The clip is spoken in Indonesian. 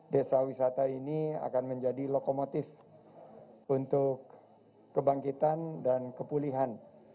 desa wisata ini akan menjadi lokomotif untuk kebangkitan dan kepulihan